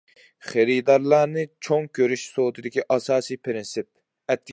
خېرىدارلارنى چوڭ كۆرۈش سودىدىكى ئاساسىي پىرىنسىپ.